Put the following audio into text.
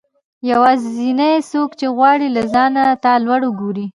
يوازنی څوک چې غواړي له ځانه تا لوړ وګورئ